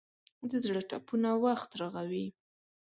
د زړه ټپونه وخت رغوي.